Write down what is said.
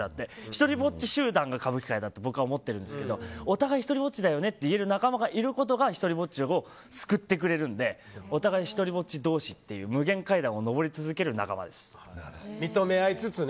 一人ぼっち集団が歌舞伎界だと僕は思ってるんですけどお互い一人ぼっちと言える仲間がいることが救ってくれるのでお互い一人ぼっち同士という無限階段を上り続ける仲間です。